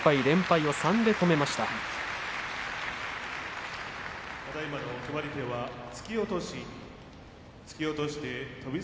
連敗を３で止めました。